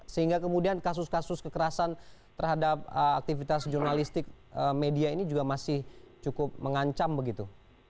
sehingga kemudian kasus kasus kekerasan terhadap aktivitas jurnalistik media ini juga masih cukup mengancam begitu